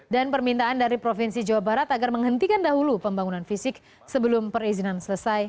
dan permintaan dari provinsi jawa barat agar menghentikan dahulu pembangunan fisik sebelum perizinan selesai